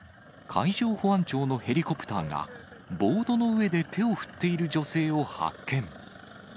海上保安庁のヘリコプターが、ボードの上で手を振っている女性を発見。